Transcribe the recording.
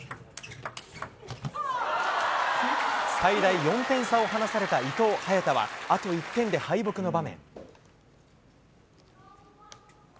最大４点差を離された伊藤・早田は、あと１点で敗北の場面。